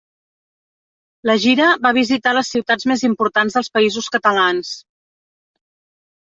La gira va visitar les ciutats més importants dels Països Catalans.